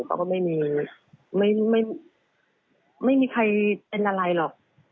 เขาก็ไม่มีไม่มีใครเป็นอะไรหรอก